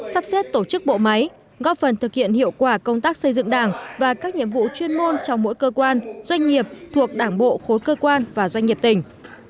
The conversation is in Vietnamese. sắp xếp tổ chức bộ máy góp phần thực hiện hiệu quả công tác xây dựng đảng và các nhiệm vụ chuyên môn trong mỗi cơ quan doanh nghiệp thuộc đảng bộ khối cơ quan và doanh nghiệp tỉnh